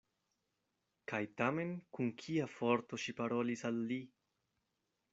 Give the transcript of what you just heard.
Kaj tamen kun kia forto ŝi parolis al li!